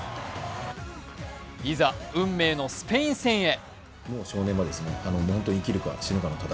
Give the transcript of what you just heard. いざ運命のスペイン戦へ。